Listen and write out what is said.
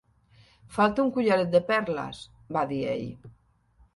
"Falta un collaret de perles", va dir ell.